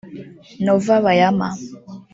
Nova Bayama